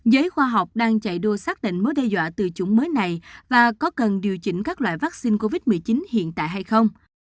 giới khoa học đang chạy đua xác định mối đe dọa từ chủng mới này và có cần điều chỉnh các loại vaccine covid một mươi chín hiện tại hay không